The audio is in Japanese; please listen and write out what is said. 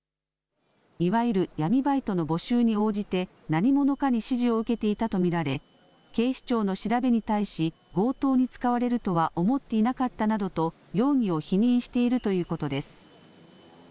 いわゆる闇バイトの募集に応じて何者かに指示を受けていたと見られ警視庁の調べに対し強盗に使われるとは思っていなかったなどと容疑を否認しているということです。